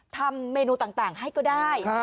ทำเมนูต่างให้ก็ได้